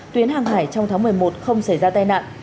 tuyến hàng hải trong tháng một mươi một không xảy ra tai nạn